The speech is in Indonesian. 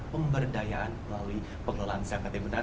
pemberdayaan melalui pengelolaan zakat yang benar